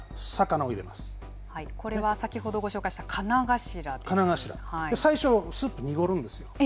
これは先ほどご紹介した最初、スープは濁るんですよ。